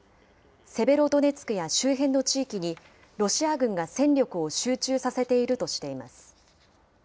セベロドネツクや周辺の地域に、ロシア軍が戦力を集中させているとしています。